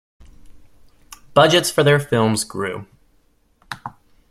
Budgets for their films grew.